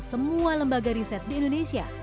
semua lembaga riset di indonesia